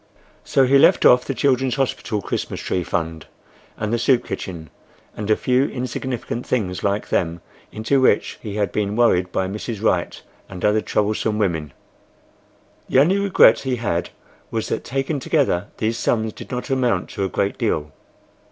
So he left off the Children's Hospital Christmas tree Fund, and the soup kitchen, and a few insignificant things like them into which he had been worried by Mrs. Wright and other troublesome women. The only regret he had was that taken together these sums did not amount to a great deal.